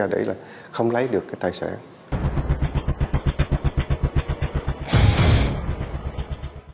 đấy là không lấy được cái tài sản